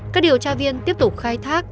các điều tra viên tiếp tục khai thác